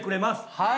はい。